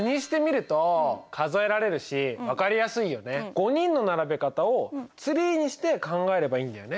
５人の並べ方をツリーにして考えればいいんだよね。